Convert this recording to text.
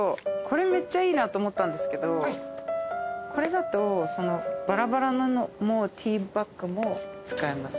これめっちゃいいなと思ったんですけどこれだとバラバラのティーバッグも使えます？